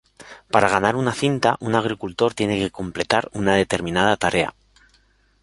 Para ganar una cinta, un agricultor tiene que completar una determinada tarea.